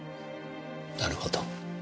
なるほど。